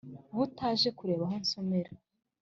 Butaje kureba aho nsomera,